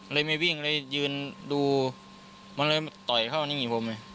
ไม่วิ่งเลยยืนดูมันเลยต่อยเข้านี่ผม